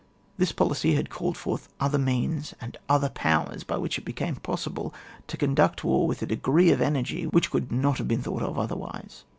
This policy had called forth other means and otherpowersi by which it became possible to conduct war with a degree of energy which could not have been thought of otherwise.